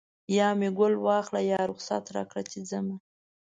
یا مې ګل واخله یا رخصت راکړه چې ځمه